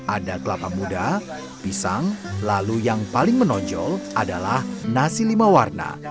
ada kelapa muda pisang lalu yang paling menonjol adalah nasi lima warna